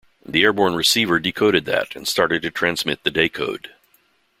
The airborne receiver decoded that and started to transmit the day code.